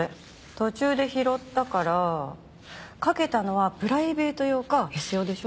途中で拾ったからかけたのはプライベート用かエス用でしょ？